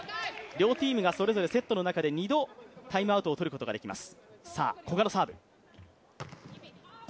両チームがそれぞれセットの中で２度、タイムアウトを取ることができます。